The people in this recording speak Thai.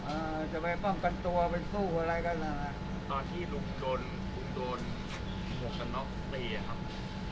อ่าจะไปป้องกันตัวไปสู้อะไรกันนะฮะตอนที่ลูกโดนคุณโดนหมวกกันน็อกตีอะครับ